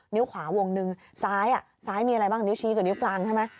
ขวาวงหนึ่งซ้ายซ้ายมีอะไรบ้างนิ้วชี้กับนิ้วกลางใช่ไหม